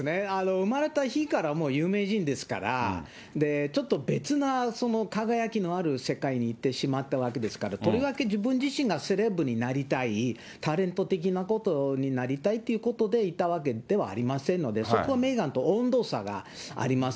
生まれた日からもう有名人ですから、ちょっと別な、輝きのある世界に行ってしまったわけですから、とりわけ自分自身がセレブになりたい、タレント的なことになりたいっていうことで行ったわけではありませんので、そこはメーガンと温度差があります。